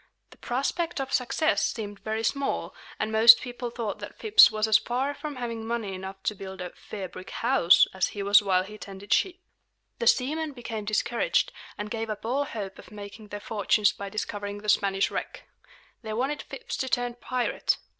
The prospect of success seemed very small, and most people thought that Phips was as far from having money enough to build a "fair brick house" as he was while he tended sheep. The seamen became discouraged, and gave up all hope of making their fortunes by discovering the Spanish wreck. They wanted Phips to turn pirate.